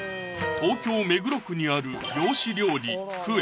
東京・目黒区にある漁師料理・九絵